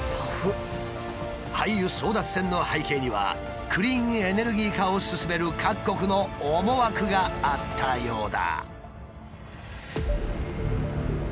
廃油争奪戦の背景にはクリーンエネルギー化を進める各国の思惑があったようだ。